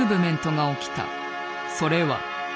それは。